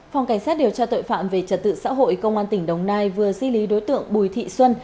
phòng cảnh sát điều tra tội phạm về trật tự xã hội công an tỉnh đồng nai vừa di lý đối tượng bùi thị xuân